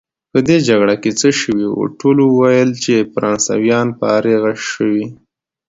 په دې جګړه کې څه شوي وو؟ ټولو ویل چې فرانسویان فارغه شوي.